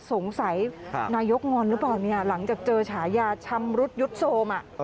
สงสัยนายกงอนหรือเปล่าหลังจากเจอฉายาชำรุดยุทธโซม